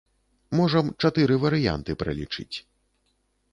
Можам чатыры варыянты пралічыць.